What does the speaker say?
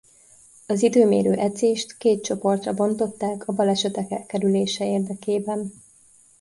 Az időmérő edzést két csoportra bontották a balesetek elkerülése érdekében.